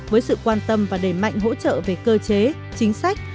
với sự quan tâm và đẩy mạnh hỗ trợ về cơ chế chính sách